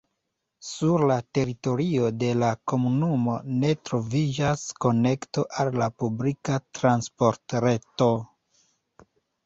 Sur la teritorio de la komunumo ne troviĝas konekto al la publika transportreto.